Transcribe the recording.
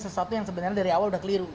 sesuatu yang sebenarnya dari awal udah keliru